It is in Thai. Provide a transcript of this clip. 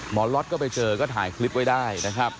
หมอล็อตก็ไปเจอก็ถ่ายคลิปไว้ได้